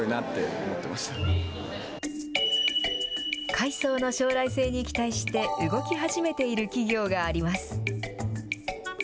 海藻の将来性に期待して、動き始めている企業があります。